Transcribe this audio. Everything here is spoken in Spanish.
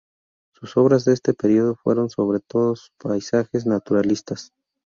Sus obras de este periodo fueron sobre todo paisajes naturalistas.